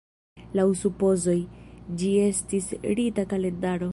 Laŭ supozoj, ĝi estis rita kalendaro.